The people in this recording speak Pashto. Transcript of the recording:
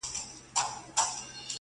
o زه درته څه ووايم.